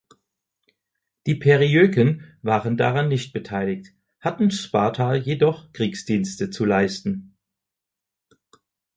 Die Periöken waren daran nicht beteiligt, hatten Sparta jedoch Kriegsdienste zu leisten.